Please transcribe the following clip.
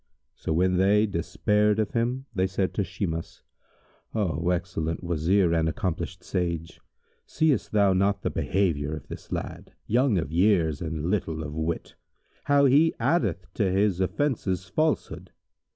So, when they despaired of him, they said to Shimas, "O excellent Wazir and accomplished sage, seest thou not the behaviour of this lad, young of years and little of wit, how he addeth to his offences falsehood?